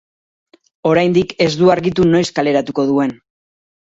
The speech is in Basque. Oraindik ez du argitu noiz kaleratuko duen.